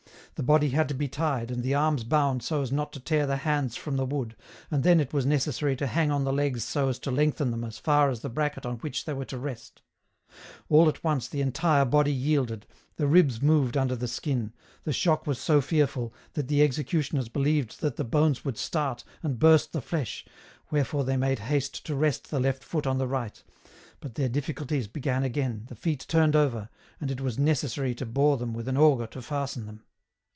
The body had to be tied and the arms bound so as not to tear the hands from the wood, and then it was necessary to hang on the legs so as to lengthen them as far as the bracket on which they were to rest ; all at once the entire body yielded, the ribs moved under the skin ; the shock was so fearful, that the executioners believed that the bones would start, and burst the flesh, wherefore they made haste to rest the left foot on the right, but their difficulties began again, the feet turned over, and it was necessary to bore them with an auger to fasten them.